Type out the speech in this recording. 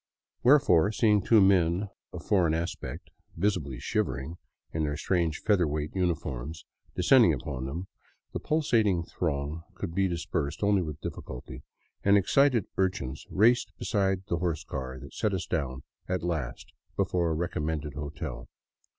Wherefore, seeing two men of foreign aspect, visibly shivering in their strange feather weight uni forms, descending upon them, the pulsating throng could be dispersed only with difficulty, and excited urchins raced beside the horse car that set us down at last before a recommended hotel.